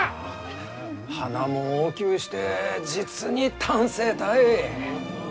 花も大きゅうして実に端正たい！